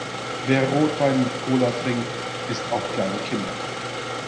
Wer Rotwein mit Cola trinkt, isst auch kleine Kinder.